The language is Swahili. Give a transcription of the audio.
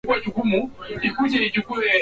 na kupunguza uwezekano wa kupona